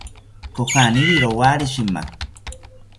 Kojaniri rowari shima